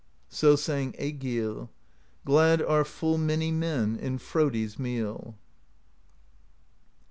So sang Egill: Glad are full many men In Frodi's meal.